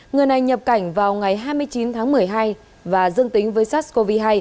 người này nhập cảnh vào ngày hai mươi chín tháng một mươi hai và dương tính với sars cov hai